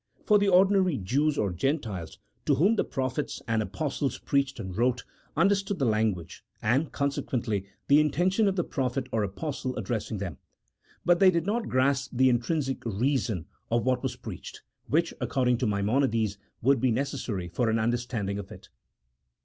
For the ordinary Jews, or Gentiles, to whom the prophets and apostles preached and wrote, understood the language, and, consequently, the intention of the prophet or apostle addressing them ; but they did not grasp the intrinsic reason of what was preached,, which, according to Maimonides, would be necessary for an understanding of it.